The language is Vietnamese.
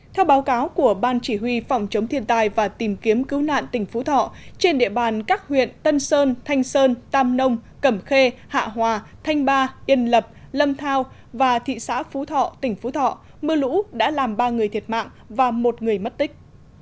theo báo cáo của ban chỉ huy phòng chống thiên tai và tìm kiếm cứu nạn tỉnh phú thọ trên địa bàn các huyện tân sơn thanh sơn tam nông cẩm khê hạ hòa thanh ba yên lập lâm thao và thị xã phú thọ tỉnh phú thọ mưa lũ đã làm ba người thiệt mạng và một người mất tích